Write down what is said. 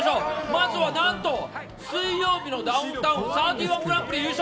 まずは何と「水曜日のダウンタウン」３１グランプリ優勝。